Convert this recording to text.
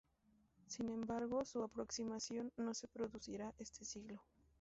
Sin embargo, su aproximación no se producirá este siglo.